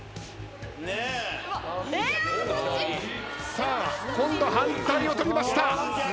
さあ今度反対を取りました。